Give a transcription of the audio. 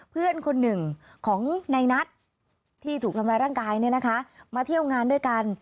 เพื่อนคนหนึ่งของในนัทที่ถูกทำร้ายร่างกายเนี่ยนะคะมาเที่ยวงานด้วยกัน